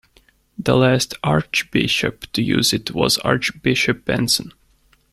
The last Archbishop to use it was Archbishop Benson.